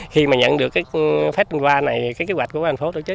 khi mà nhận được cái festival này cái kế hoạch của quán phố tổ chức